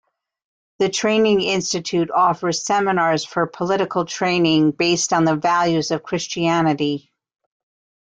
The Training Institute offers seminars for political training based on the values of Christianity.